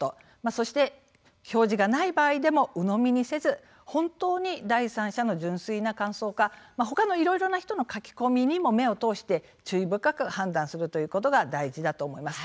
そして表示がない場合でもうのみにせず本当に第三者の純粋な感想かほかのいろいろな人の書き込みにも目を通して注意深く判断するということが大事だと思います。